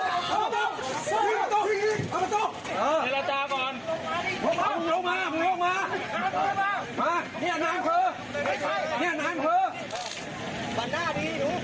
เตรียมระวังระวังระวัง